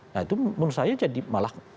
nah itu menurut saya jadi malah